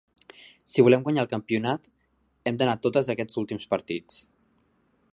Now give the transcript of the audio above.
Si volem guanyar el campionat, hem d'anar a totes aquests últims partits.